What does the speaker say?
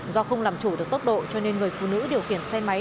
do không làm chủ được tốc độ cho nên người phụ nữ điều khiển xe máy